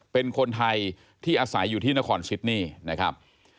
เป็นคนไทยที่อาศัยอยู่ที่นครซิดนี่นะครับ